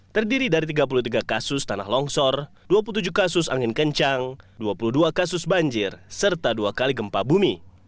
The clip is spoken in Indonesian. terdiri dari tiga puluh tiga kasus tanah longsor dua puluh tujuh kasus angin kencang dua puluh dua kasus banjir serta dua kali gempa bumi